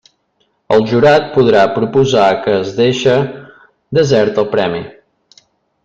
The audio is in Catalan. El jurat podrà proposar que es deixe desert el premi.